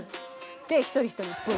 で一人一人ブン。